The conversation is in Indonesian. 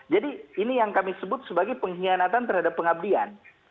jadi ini yang kami sebut sebagai pengkhianatan terhadap pengabdian